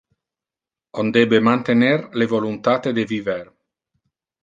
On debe mantener le voluntate de viver.